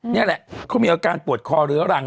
นี่แหละเขามีอาการปวดคอเรื้อรัง